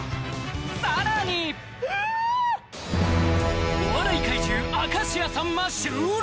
さらにお笑い怪獣・明石家さんま襲来